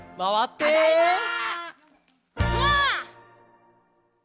「ただいま！」